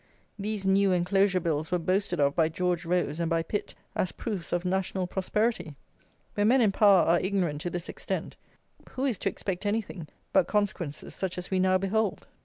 These new enclosure bills were boasted of by George Rose and by Pitt as proofs of national prosperity! When men in power are ignorant to this extent, who is to expect anything but consequences such as we now behold.